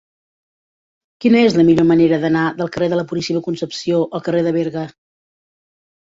Quina és la millor manera d'anar del carrer de la Puríssima Concepció al carrer de Berga?